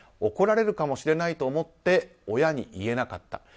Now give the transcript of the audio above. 怒られるかもしれないと思って親に言えなかった。